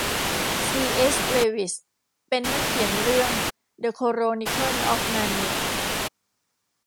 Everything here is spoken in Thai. ซีเอส เลวิสเป็นนักเขียนเรื่องเดอะโคโรนิเคิลออฟนาเนีย